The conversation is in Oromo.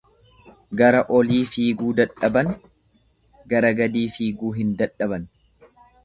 Gara olii fiiguu dadhaban gara gadii figuu hin dadhaban.